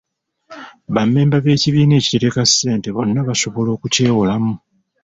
Bammemba b'ekibiina ekitereka ssente bonna basobola okukyewolamu.